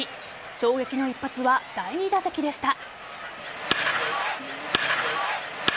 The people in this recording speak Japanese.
衝撃の一発は第２打席でした。